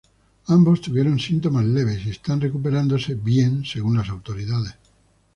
Ambos tuvieron síntomas "leves" y están recuperándose bien, según las autoridades.